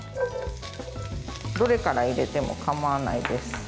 どれから入れても構わないです。